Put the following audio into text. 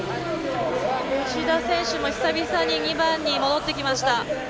吉田選手も久々に２番に戻ってきました。